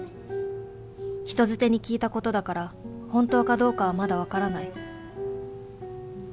人づてに聞いたことだから本当かどうかはまだ分からない。